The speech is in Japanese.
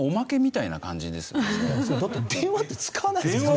だって電話って使わないですよね。